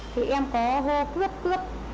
thì em có hô cướp cướp